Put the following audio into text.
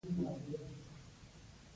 مجاهد د خیر او شر ترمنځ فرق کوي.